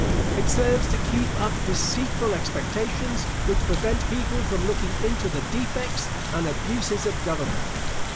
It serves to keep up deceitful expectations which prevent people from looking into the defects and abuses of government.